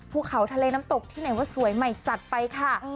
ภูเขาทะเลน้ำตกที่ไหนว่าสวยใหม่จัดไปค่ะ